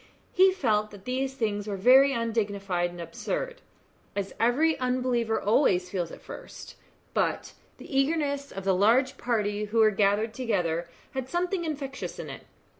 he felt that these things were very undignified and absurd, as every unbeliever always feels at first; but the eagerness of the large party who were gathered together had something infectious in it.